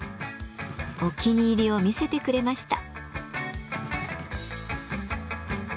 お気に入りを見せてくれました。